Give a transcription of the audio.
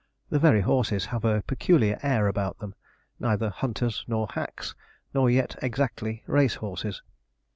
The very horses have a peculiar air about them neither hunters nor hacks, nor yet exactly race horses.